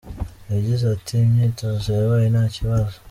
Yagize ati “Imyitozo yabaye nta kibazo.